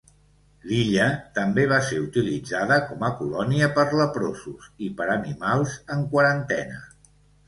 L'illa també va ser utilitzada com a colònia per leprosos i per animals en quarantena.